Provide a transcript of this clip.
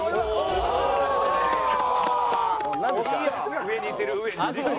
上にいってる上に。